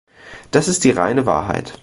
Das ist die reine Wahrheit.